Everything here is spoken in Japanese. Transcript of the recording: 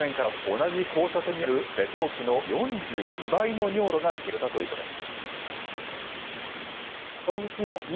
同じ交差点にある別の信号機の４２倍の尿素が検出されたということです。